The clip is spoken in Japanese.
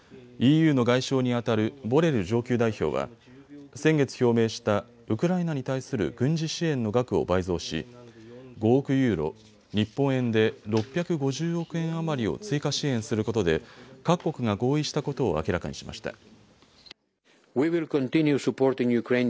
ＥＵの外相にあたるボレル上級代表は先月表明したウクライナに対する軍事支援の額を倍増し５億ユーロ、日本円で６５０億円余りを追加支援することで各国が合意したことを明らかにしました。